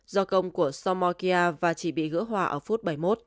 do công của somokia và chỉ bị gỡ hỏa ở phút bảy mươi một